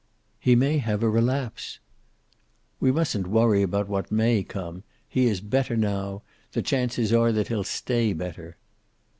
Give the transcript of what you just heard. "He may have a relapse." "We mustn't worry about what may come. He is better now. The chances are that he'll stay better."